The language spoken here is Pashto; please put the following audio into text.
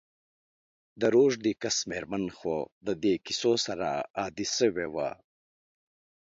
د روږدې کس میرمن خو د دي کیسو سره عادي سوي وه.